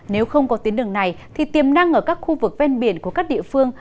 nếu không có tuyến đường này thì tiềm năng ở các khu vực ven biển của các địa phương